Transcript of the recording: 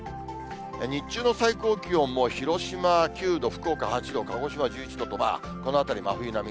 日中の最高気温も、広島９度、福岡８度、鹿児島１１度と、この辺り真冬並み。